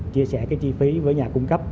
chia sẻ chi phí với nhà cung cấp